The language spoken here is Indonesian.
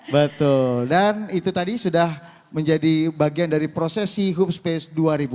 betul dan itu tadi sudah menjadi bagian dari prosesi hub space dua ribu dua puluh